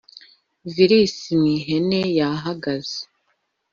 virusi mu ihene yahagaze